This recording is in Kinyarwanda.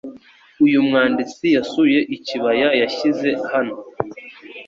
Uyu mwanditsi yasuye Ikibaya yashyize hano